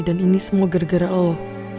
dan ini semua gara gara lo